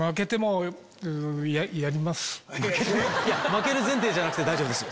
負ける前提じゃなくて大丈夫です。